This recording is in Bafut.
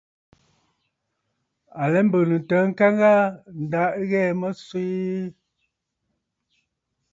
À lɛ mbɨ̀ɨ̀nə̀ ntəə ŋka ghaa, ǹda ɨ ghɛɛ̀ mə swee.